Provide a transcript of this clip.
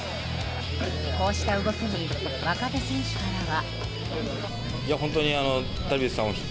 こうした動きに若手選手からは。